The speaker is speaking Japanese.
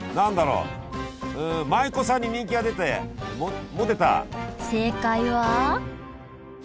うん舞妓さんに人気が出てモテた。